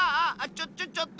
ちょちょちょっと！